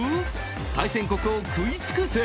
対戦国を食い尽くせ！